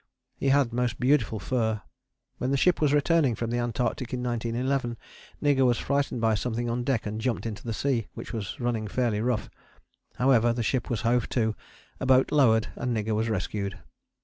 He had most beautiful fur. When the ship was returning from the Antarctic in 1911 Nigger was frightened by something on deck and jumped into the sea, which was running fairly rough. However, the ship was hove to, a boat lowered, and Nigger was rescued.